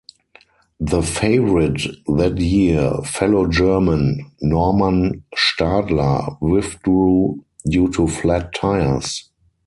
The favorite that year, fellow German Normann Stadler, withdrew due to flat tyres.